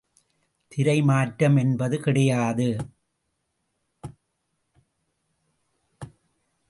திரை மாற்றம் என்பது கிடையாது.